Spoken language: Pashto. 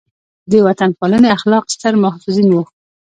د وطن پالنې اخلاق ستر محافظین وو.